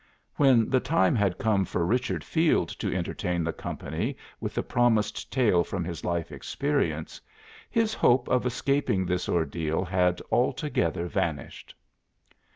When the time had come for Richard Field to entertain the company with the promised tale from his life experience, his hope of escaping this ordeal had altogether vanished.